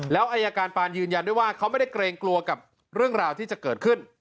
แล้วอายการปานยืนยันด้วยว่าเขาไม่ได้เกรงกลัวกับเรื่องราวที่จะเกิดขึ้น